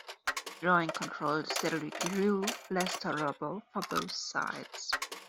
Joint control steadily grew less tolerable for both sides.